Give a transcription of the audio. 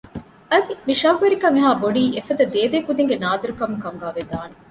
އަދި މި ޝައުޤުވެރިކަން އެހާ ބޮޑީ އެފަދަ ދޭދޭ ކުދިންގެ ނާދިރު ކަމުން ކަމުގައި ވެދާނެ